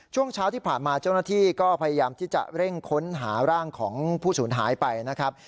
ช่วงเช้าที่ผ่านมาเจ้าหน้าที่ก็พยายามที่จะเร่งค้นหาร่างของผู้สูญหายไปนะครับ